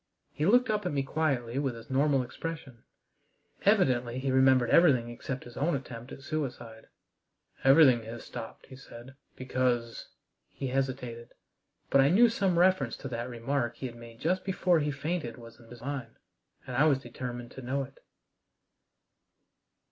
He looked up at me quietly with his normal expression. Evidently he remembered everything except his own attempt at suicide. "Everything has stopped," he said, "because " He hesitated. But I knew some reference to that remark he had made just before he fainted was in his mind, and I was determined to know it.